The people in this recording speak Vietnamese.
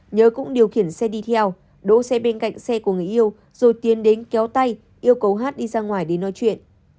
nhớ cũng điều khiển xe đi theo đỗ xe bên cạnh xe của người yêu rồi tiến đến kéo tay yêu cầu hát đi ra ngoài để nói chuyện